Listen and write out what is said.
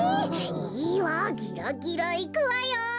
いいわギラギラいくわよ！